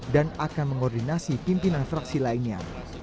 akan mengoordinasi pimpinan fraksi lainnya